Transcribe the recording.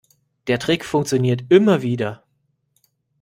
Der Trick funktioniert immer wieder.